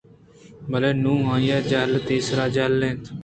بلئے نوں آئی ءِ حجالتی ءَ سر جہل ات